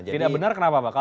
tidak benar kenapa pak